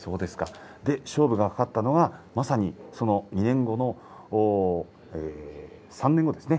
勝負が懸かったのはまさに２年後の、３年後ですね。